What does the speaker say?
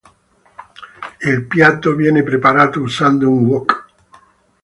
Il piatto viene preparato usando un wok.